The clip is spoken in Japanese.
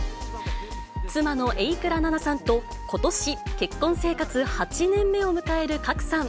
妻の榮倉奈々さんと、ことし、結婚生活８年目を迎える賀来さん。